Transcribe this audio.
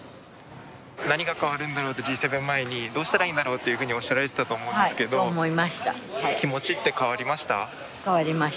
「何が変わるんだろう」ってＧ７前に「どうしたらいいんだろう？」っていうふうにおっしゃられていたと思うんですけど気持ちって変わりました？